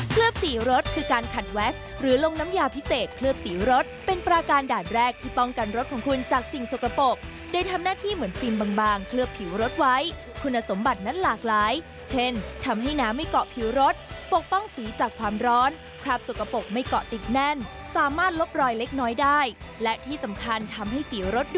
สีรสคือการขัดแวสหรือลงน้ำยาพิเศษเคลือบสีรถเป็นประการด่านแรกที่ป้องกันรถของคุณจากสิ่งสกปรกโดยทำหน้าที่เหมือนฟิล์มบางเคลือบผิวรถไว้คุณสมบัตินั้นหลากหลายเช่นทำให้น้ำไม่เกาะผิวรถปกป้องสีจากความร้อนคราบสกปรกไม่เกาะติดแน่นสามารถลบรอยเล็กน้อยได้และที่สำคัญทำให้สีรถด